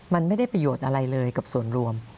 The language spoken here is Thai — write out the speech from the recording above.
มันไม่ได้ประโยชน์อะไรเลยกับส่วนรวม